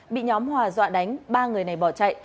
bị nhóm hòa dọa đánh ba người này bỏ chạy